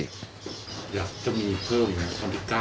อยากจะมีเพิ่มความที่กล้าว